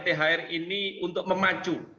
thr ini untuk memaju